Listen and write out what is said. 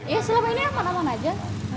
ya selama ini aman aman aja